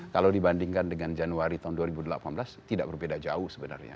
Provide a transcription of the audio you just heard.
kalau dibandingkan dengan januari tahun dua ribu delapan belas tidak berbeda jauh sebenarnya